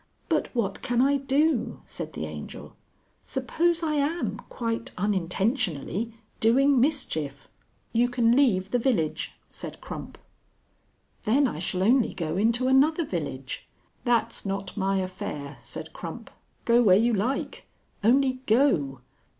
"But what can I do?" said the Angel. "Suppose I am (quite unintentionally) doing mischief...." "You can leave the village," said Crump. "Then I shall only go into another village." "That's not my affair," said Crump. "Go where you like. Only go.